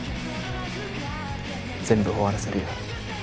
全部終わらせるよ。